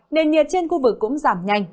nền nhiệt trên khu vực cũng giảm nhanh